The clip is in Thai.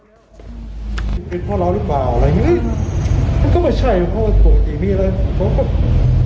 มันเป็นเพราะเราหรือเปล่าอะไรอย่างงี้มันก็ไม่ใช่เพราะว่าปกติมีอะไรผมก็